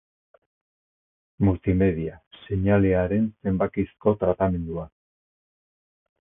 Multimedia. Seinalearen zenbakizko tratamendua.